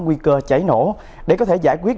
nguy cơ chảy nổ để có thể giải quyết